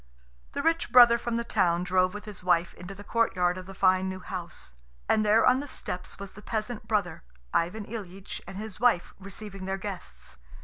The rich brother from the town drove with his wife into the courtyard of the fine new house. And there on the steps was the peasant brother, Ivan Ilyitch, and his wife, receiving their guests.